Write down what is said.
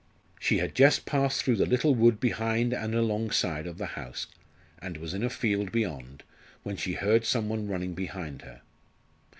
She had just passed through the little wood behind and alongside of the house, and was in a field beyond, when she heard some one running behind her.